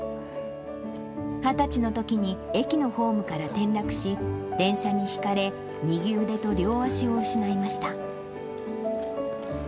２０歳のときに駅のホームから転落し、電車にひかれ、右腕と両足を失いました。